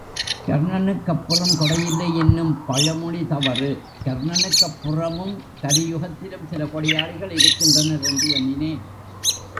கர்ணனுக்கப்புறம் கொடையில்லை என்னும் பழமொழி தவறு கர்ணனுக்கப்புறமும் கலியுகத்திலும் சில கொடையாளிகள் இருக்கின்றனர் என்று எண்ணினேன்.